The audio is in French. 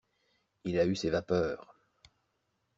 Il a eu ses vapeurs.